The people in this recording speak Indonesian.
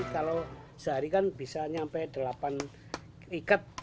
kalau sehari kan bisa nyampe delapan ikat